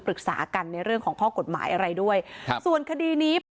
ปรึกษากันในเรื่องของข้อกฎหมายอะไรด้วยครับส่วนคดีนี้พอ